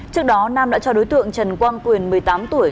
trước đó nam đã cho đối tượng trần quang quyền một mươi tám tuổi